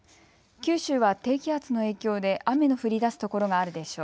九州は低気圧の影響で雨の降りだす所があるでしょう。